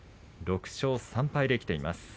６勝３敗できています。